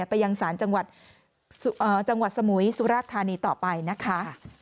ไปยังการสารจังหวัดสมุยสุรธรรมต่อไปนะคะ